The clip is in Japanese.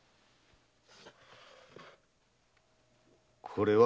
これは？